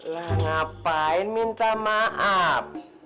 lah ngapain minta maaf